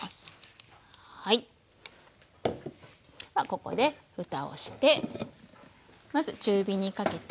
ではここでふたをしてまず中火にかけて。